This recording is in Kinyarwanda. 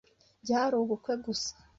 Byari ubukwe gusa.